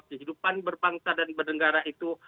kehidupan berbangsa dan bernegara itu